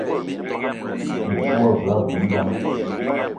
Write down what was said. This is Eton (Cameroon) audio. Me te wa ve abui-ngang